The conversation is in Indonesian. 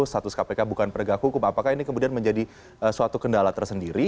status kpk bukan penegak hukum apakah ini kemudian menjadi suatu kendala tersendiri